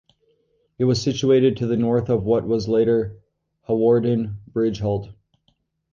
It was situated to the north of what was later Hawarden Bridge Halt.